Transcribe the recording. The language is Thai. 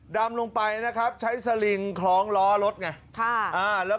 ดำลงไปนะครับใช้สลิงคล้องล้อรถไง